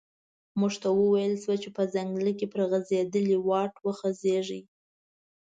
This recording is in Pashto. موږ ته و ویل شول چې په ځنګله کې پر غزیدلي واټ وخوځیږئ.